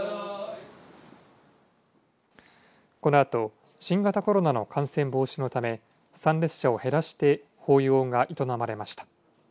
このあと新型コロナの感染防止のため参列者を減らして法要が営まれました。